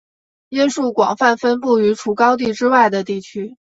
椰树广泛分布于除高地之外的地区。